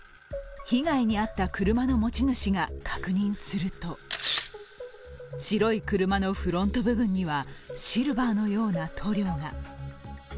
被害に遭った車の持ち主が確認すると、白い車のフロント部分には、シルバーのような塗料が。